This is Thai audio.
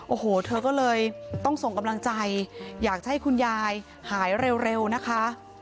โอ้โหเธอก็เลยต้องส่งกำลังใจอยากจะให้คุณยายหายเร็วนะคะ